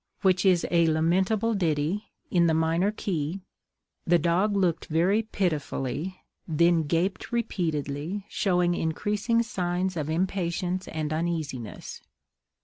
which is a lamentable ditty, in the minor key, the dog looked very pitifully, then gaped repeatedly, showing increasing signs of impatience and uneasiness.